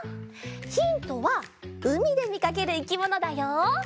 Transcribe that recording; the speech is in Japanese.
ヒントはうみでみかけるいきものだよ。